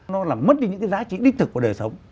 nó làm mất đi những cái giá trị đích thực của đời sống